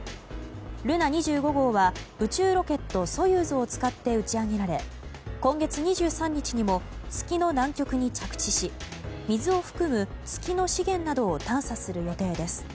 「ルナ２５号」は宇宙ロケット「ソユーズ」を使って打ち上げられ今月２３日にも月の南極に着地し水を含む月の資源などを探査する予定です。